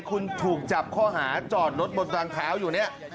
คุณถูกจับข้อหาจอดรถบนทางเท้าอยู่เนี่ย